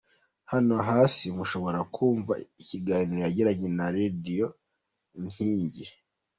Hano hasi mushobora kumva ikiganiro yagiranye na Radio Inkingi.